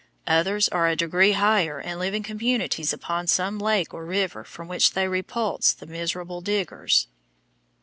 Others are a degree higher and live in communities upon some lake or river from which they repulse the miserable Diggers.